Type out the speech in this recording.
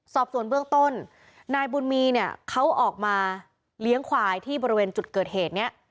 สอบส่วนเบื้องต้นนายบุญมีเนี่ยเขาออกมาเลี้ยงควายที่บริเวณจุดเกิดเหตุนี้